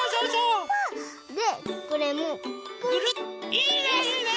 いいねいいね！